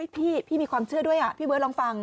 พี่มีความเชื่อด้วยพี่เบิร์ดลองฟัง